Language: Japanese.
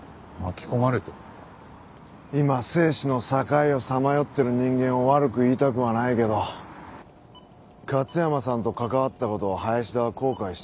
今生死の境をさまよってる人間を悪く言いたくはないけど勝山さんと関わった事を林田は後悔してる。